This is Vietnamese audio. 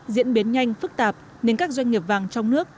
diễn biến nhanh phức tạp nên các doanh nghiệp vàng trong nước